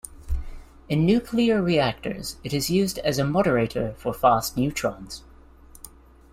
In nuclear reactors, it is used as a moderator for fast neutrons.